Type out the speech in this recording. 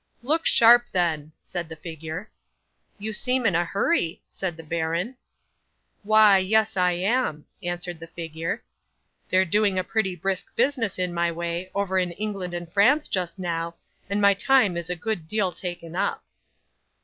'"Look sharp then," said the figure. '"You seem in a hurry," said the baron. '"Why, yes, I am," answered the figure; "they're doing a pretty brisk business in my way, over in England and France just now, and my time is a good deal taken up."